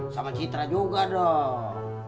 sama citra juga dong